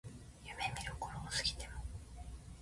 夢見る頃を過ぎても